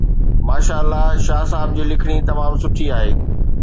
ماشاءالله شاهه صاحب جي لکڻي تمام سٺي آهي